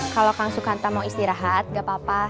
kalau kang sukata mau istirahat gak apa apa